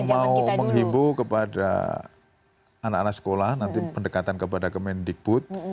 saya mau menghibur kepada anak anak sekolah nanti pendekatan kepada kemendikbud